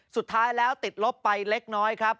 สุดท้ายแล้วติดลบไปเล็กน้อยครับ